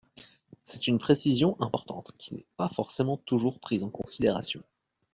C’est une précision importante, qui n’est pas forcément toujours prise en considération.